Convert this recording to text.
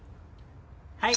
はい。